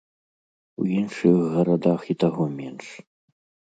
У іншых гарадах і таго менш.